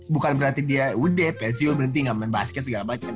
bukan berarti dia udah pensiun berhenti gak main basket segala macam